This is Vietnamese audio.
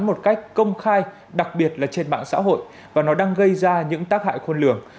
một cách công khai đặc biệt là trên mạng xã hội và nó đang gây ra những tác hại khôn lường